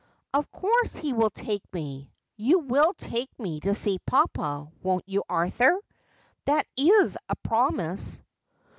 ' Of course he will take me. — You will take me to see papa, won't you, Arthur ? That is a promise.'